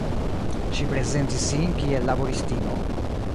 Ŝi prezentis sin kiel laboristino.